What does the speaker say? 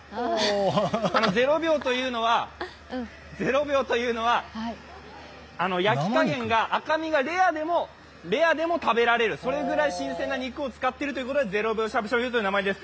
０秒というのは焼き加減が、赤身がレアでも食べられる、それくらい新鮮な肉を使っているということで０秒しゃぶしゃぶという名前です。